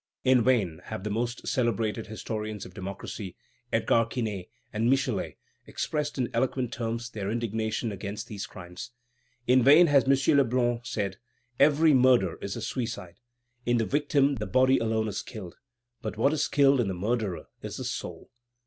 In vain have the most celebrated historians of democracy, Edgar Quinet and Michelet, expressed in eloquent terms their indignation against these crimes. In vain has M. Louis Blanc said: "Every murder is a suicide. In the victim the body alone is killed; but what is killed in the murderer is the soul."